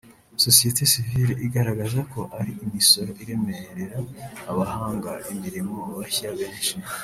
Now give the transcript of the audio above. Sosiyeti Sivile igaragaza ko ari imisoro iremerera abahanga imirimo bashya benshi